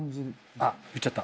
あっ言っちゃった